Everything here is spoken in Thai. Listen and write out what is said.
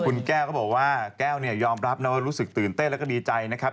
คุณแก้วเขาบอกว่าแก้วยอมรับแล้วรู้สึกตื่นเต้นแล้วก็ดีใจนะครับ